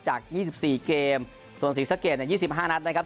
จากยี่สิบสี่เกมส่วนศรีสะเกดเนี่ยยี่สิบห้านัดนะครับ